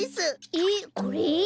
えっこれ？